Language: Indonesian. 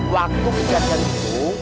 waktu kejadian itu